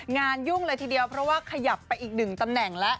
ยุ่งเลยทีเดียวเพราะว่าขยับไปอีกหนึ่งตำแหน่งแล้ว